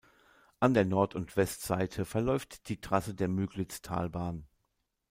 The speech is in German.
An der Nord- und Westseite verläuft die Trasse der Müglitztalbahn.